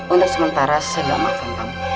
untuk sementara saya gak maafin kamu